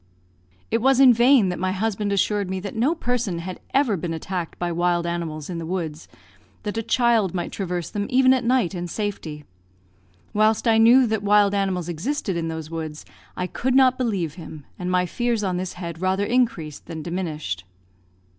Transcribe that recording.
It was in vain that my husband assured me that no person had ever been attacked by wild animals in the woods, that a child might traverse them even at night in safety; whilst I knew that wild animals existed in those woods, I could not believe him, and my fears on this head rather increased than diminished.